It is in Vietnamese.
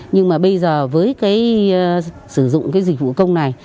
nhưng mà bây giờ với sử dụng dịch vụ công này